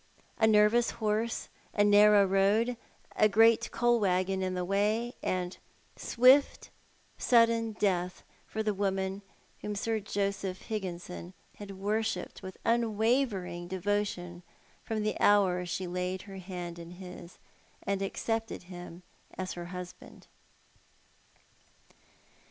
A nervous horse, a narrow road, a great coal waggon in the way, and swift, sudden death for the woman whom Sir Joseph Higginson had worshipped with unwavering devotion from the hour she laid her Jiand in his and accepted him as her husband.